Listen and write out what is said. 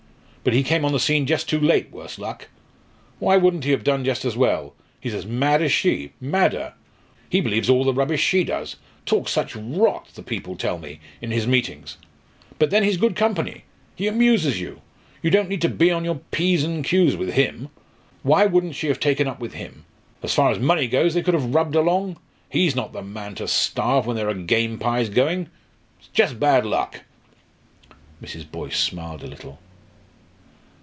But he came on the scene just too late, worse luck! Why wouldn't he have done just as well? He's as mad as she madder. He believes all the rubbish she does talks such rot, the people tell me, in his meetings. But then he's good company he amuses you you don't need to be on your p's and q's with him. Why wouldn't she have taken up with him? As far as money goes they could have rubbed along. He's not the man to starve when there are game pies going. It's just bad luck." Mrs. Boyce smiled a little.